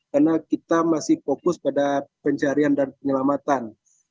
karena kita masih fokus pada pencarian dan penyelamatan